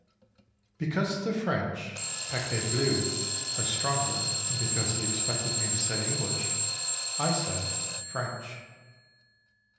Because the French (paquet bleu) are stronger and because he expected me to say English, I said "French."